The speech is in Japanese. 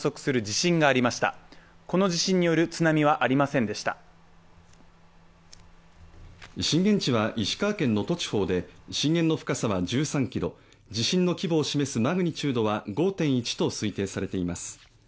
震源地は石川県能登地方で震源の深さは１３ｋｍ、地震の規模を示すマグニチュードは５．１と推定されています。